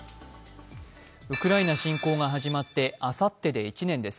ウクライナ侵攻が始まってあさってで１年です。